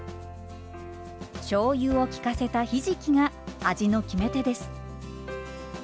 しょうゆを効かせたひじきが味の決め手です。